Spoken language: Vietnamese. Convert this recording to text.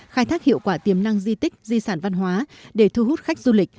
khai thác hiệu quả tiềm năng di tích di sản văn hóa để thu hút khách du lịch